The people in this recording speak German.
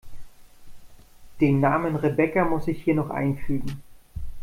Den Namen Rebecca muss ich hier noch einfügen.